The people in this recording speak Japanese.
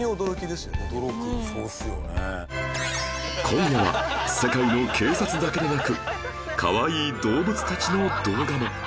今夜は世界の警察だけでなく可愛い動物たちの動画も